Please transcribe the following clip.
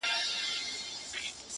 نن به یې ستره او سنګینه تنه.!